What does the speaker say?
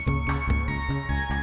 gak usah banyak ngomong